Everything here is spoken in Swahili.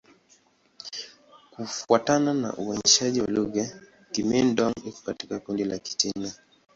Kufuatana na uainishaji wa lugha, Kimin-Dong iko katika kundi la Kichina.